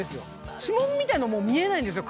指紋みたいのもう見えないんですよ。